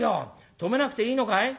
止めなくていいのかい」。